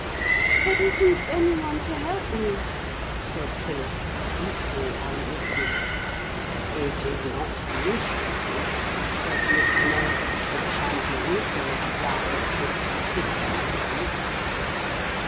'But isn't any one to help me?' said Philip, deeply uneasy. 'It is not usual,' said Mr. Noah, 'for champions to require assistance with dragons.'